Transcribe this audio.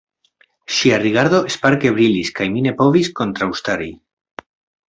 Ŝia rigardo sparke brilis kaj mi ne povis kontraŭstari.